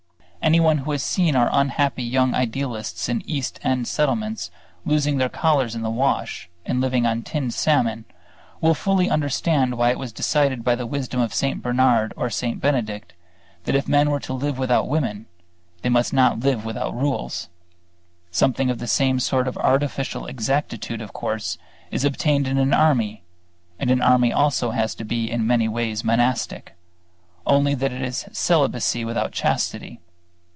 Anyone who has seen our unhappy young idealists in East End Settlements losing their collars in the wash and living on tinned salmon will fully understand why it was decided by the wisdom of St. Bernard or St. Benedict, that if men were to live without women, they must not live without rules. Something of the same sort of artificial exactitude, of course, is obtained in an army; and an army also has to be in many ways monastic; only that it has celibacy without chastity.